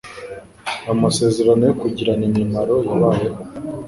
Ayo masezerano yo kugirirana imimaro yabayeho